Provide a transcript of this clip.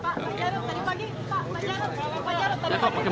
apa nadia brothers itu aja tadi